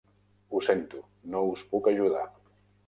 Ho sento, no us puc ajudar.